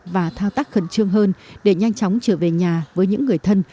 và thao tác khẩn trương hơn để nhanh chóng trở về nhà với những người thân